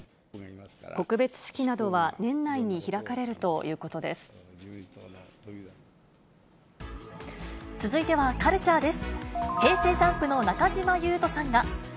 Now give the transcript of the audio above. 告別式などは年内に開かれる続いてはカルチャーです。